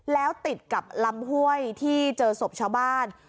แล้วติดกับลำห้วยที่เจอศพชาวบ้าน